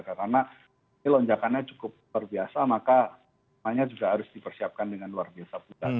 karena ini lonjakannya cukup terbiasa maka semuanya juga harus dipersiapkan dengan luar biasa